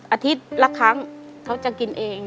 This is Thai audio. อาทิตย์ละครั้งเขาจะกินเอง